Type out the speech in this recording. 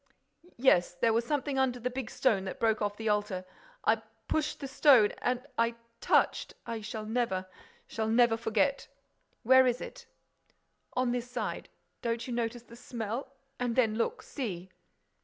"Yes—there was something under the big stone that broke off the altar—I pushed the stone—and I touched—I shall never—shall never forget.—" "Where is it?" "On this side.—Don't you notice the smell?—And then look—see."